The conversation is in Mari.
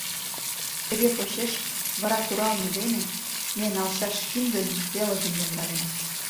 Тыге почеш, вара куралме дене ме налшаш киндын пелыжым йомдарена.